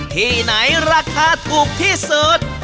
ที่ไหนราคาถูกที่สุด